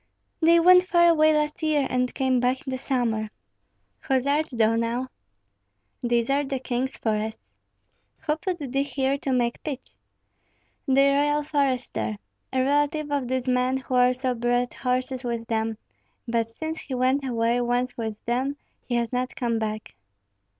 They went far away last year, and came back in the summer." "Whose art thou now?" "These are the king's forests." "Who put thee here to make pitch?" "The royal forester, a relative of these men, who also brought horses with them; but since he went away once with them, he has not come back."